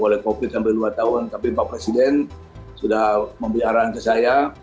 oleh covid sampai dua tahun tapi pak presiden sudah memberi arahan ke saya